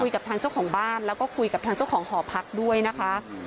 กับทางเจ้าของบ้านแล้วก็คุยกับทางเจ้าของหอพักด้วยนะคะ